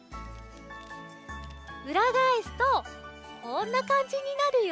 うらがえすとこんなかんじになるよ。